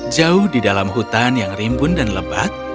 jauh di dalam hutan yang rimbun dan lebat